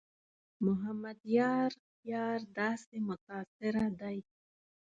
محمد یار یار داسې متاثره دی.